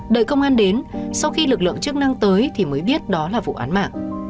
đợi công an đến sau khi lực lượng chức năng tới thì mới biết đó là vụ án mạng